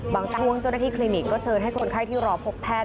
บางช่วงเจ้าหน้าที่คลินิกก็เชิญให้คนไข้ที่รอพบแพทย์